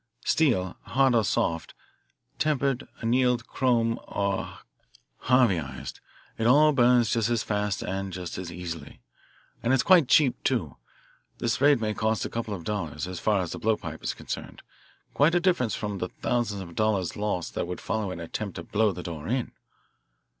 Steel, hard or soft, tempered, annealed, chrome, or Harveyised, it all burns just as fast and just as easily. And it's cheap too. This raid may cost a couple of dollars, as far as the blowpipe is concerned quite a difference from the thousands of dollars' loss that would follow an attempt to blow the door in."